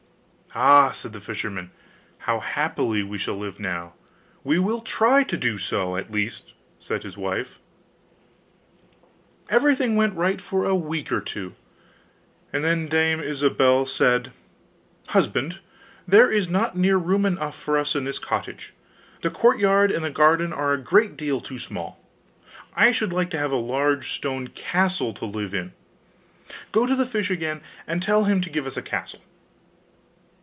'Ah!' said the fisherman, 'how happily we shall live now!' 'We will try to do so, at least,' said his wife. Everything went right for a week or two, and then Dame Ilsabill said, 'Husband, there is not near room enough for us in this cottage; the courtyard and the garden are a great deal too small; I should like to have a large stone castle to live in: go to the fish again and tell him to give us a castle.